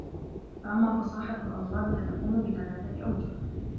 فَأَمَّا فَصَاحَةُ الْأَلْفَاظِ فَتَكُونُ بِثَلَاثَةِ أَوْجُهٍ